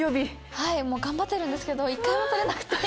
はい頑張ってるんですけど１回も取れなくて。